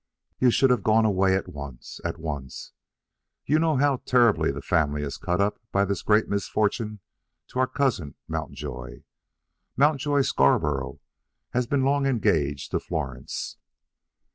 "You should have gone away at once at once. You know how terribly the family is cut up by this great misfortune to our cousin Mountjoy. Mountjoy Scarborough has been long engaged to Florence."